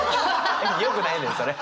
よくないねんそれ。